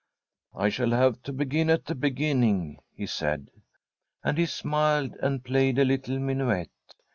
' I shall have to begin at the beginning,' he said. And he smiled and played a little minuet.